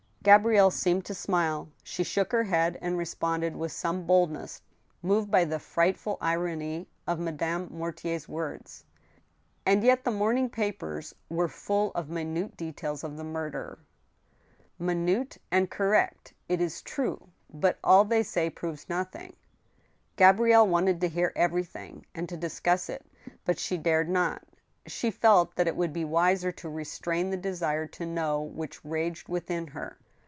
" Gabrielle seemed to smile. She shook her head, and responded with some boldness, moved by the frightful irony of Madame Mortier's words :" And yet the morning papers were full of minute details of the murder." THE TWO WIVES. 135' Minute and correct, it is true; but all they say proves nothing/ ' Gabrielle wanted to hear everything and to discuss it, but she dared not. She felt that it would be wiser to restrain the desire to know which raged within her.